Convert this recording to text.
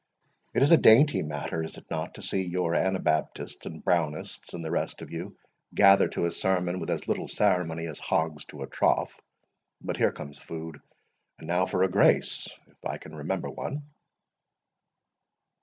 It is a dainty matter, is it not, to see your Anabaptists, and Brownists, and the rest of you, gather to a sermon with as little ceremony as hogs to a trough! But here comes food, and now for a grace, if I can remember one."